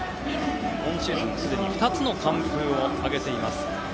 今シーズン、すでに２つの完封を挙げています。